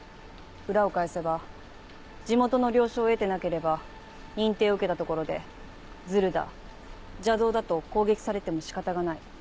裏を返せば地元の了承を得てなければ認定を受けたところで「ズルだ邪道だ」と攻撃されても仕方がない。